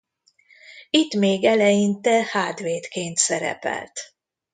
Itt még eleinte hátvédként szerepelt.